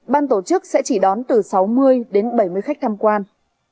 ban tổ chức sẽ chỉ đón từ sáu mươi đến bảy mươi khách tham quan